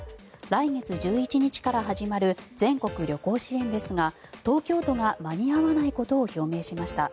来月１１日から始まる全国旅行支援ですが東京都が間に合わないことを表明しました。